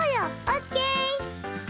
「オッケー！」。